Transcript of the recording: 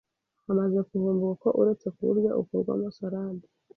hamaze kuvumburwa ko uretse kuwurya ukorwamo Salade